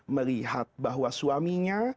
melihat bahwa suaminya